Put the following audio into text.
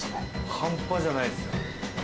半端じゃないです。